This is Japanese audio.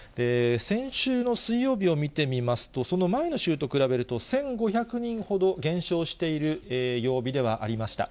先週の水曜日を見てみますと、その前の週と比べると、１５００人ほど減少している曜日ではありました。